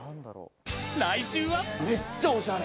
来週は。